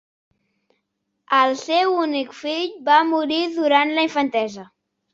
El seu únic fill va morir durant la infantesa.